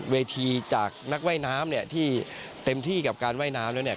เวทีจากนักว่ายน้ำเนี่ยที่เต็มที่กับการว่ายน้ำแล้วเนี่ย